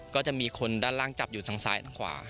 ก็จะมีคนด้านล่างจับอยู่ทางซ้ายด้านขวา